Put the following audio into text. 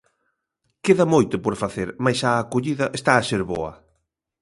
Queda moito por facer mais a acollida está a ser boa.